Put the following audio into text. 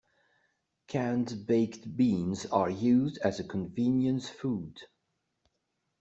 Canned baked beans are used as a convenience food.